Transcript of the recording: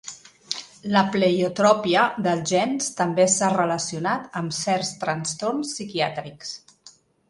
La pleiotropia dels gens també s'ha relacionat amb certs trastorns psiquiàtrics.